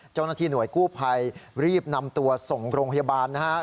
เจ้าหน้าที่หน่วยกู้ภัยรีบนำตัวส่งโรงพยาบาลนะครับ